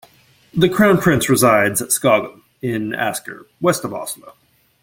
The crown prince resides at Skaugum in Asker west of Oslo.